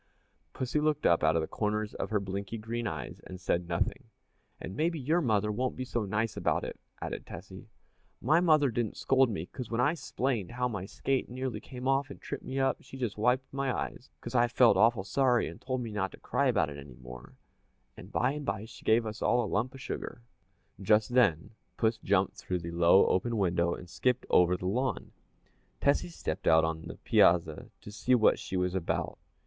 Pussy looked up out of the corners of her blinky green eyes but said nothing. "And maybe your mother won't be so nice about it," added Tessie. "My mother didn't scold me 'cause when I 'splained how my skate nearly came off and tripped me up she just wiped my eyes, 'cause I felt awful sorry, and told me not to cry about it any more, and by and by she gave us all a lump of sugar." [Illustration: Tess Was Telling Her Little Kitten What Mother Had Said.] Just then puss jumped through the low open window and skipped over the lawn. Tessie stepped out on the piazza to see what she was about.